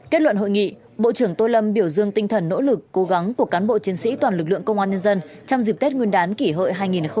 kết luận hội nghị bộ trưởng tô lâm biểu dương tinh thần nỗ lực cố gắng của cán bộ chiến sĩ toàn lực lượng công an nhân dân trong dịp tết nguyên đán kỷ hợi hai nghìn một mươi chín